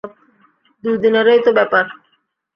দুদিনেরই তো ব্যাপার।